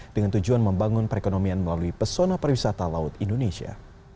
dengan tujuan membangun perekonomian melalui pesona pariwisata laut indonesia